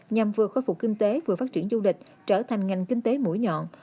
nhằm vừa khôi phục kinh tế vừa phát triển du lịch trở thành ngành kinh tế mũi nhọn